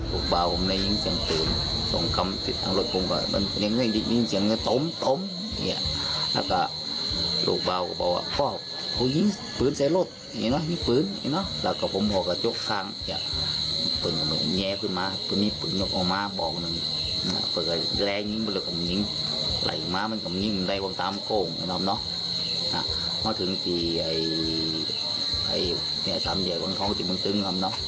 ตามโก่งถึงที่สามแยกวังทองจิบวันตึง